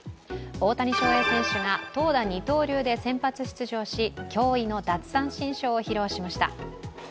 大谷翔平選手が投打二刀流で先発出場し驚異の奪三振ショーを披露しました。